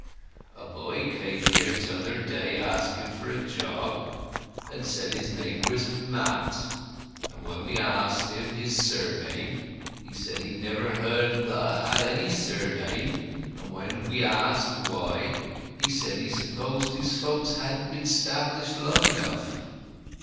A boy came here t'other day asking for a job, and said his name was Matt, and when we asked him his surname he said he'd never heard that 'a had any surname, and when we asked why, he said he supposed his folks hadn't been 'stablished long enough.